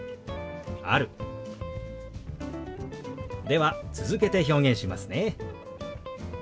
では続けて表現しますね。